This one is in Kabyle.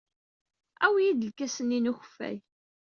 Awey-iyi-d lkas-nni n ukeffay.